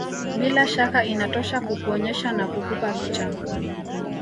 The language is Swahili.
Bila shaka inatosha kukuonyesha na kukupa picha